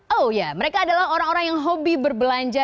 oh ya mereka adalah orang orang yang hobi berbelanja